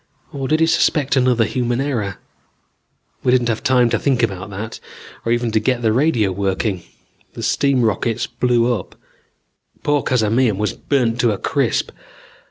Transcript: Or did he suspect another human error? "We didn't have time to think about that, or even to get the radio working. The steam rockets blew up. Poor Cazamian was burnt to a crisp.